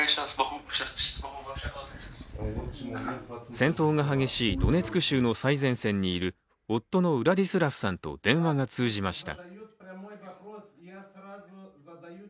戦闘が激しいドネツク州の最前線にいる夫のウラディスラフさんと電話が通じました。